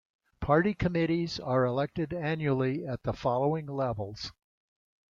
Party Committees are elected annually at the following levels.